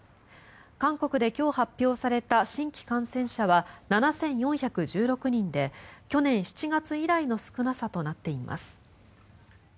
韓国で今日、発表された新規感染者は７４１６人で去年７月以来の少なさとなっています。